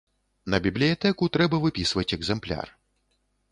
На бібліятэку трэба выпісваць экзэмпляр.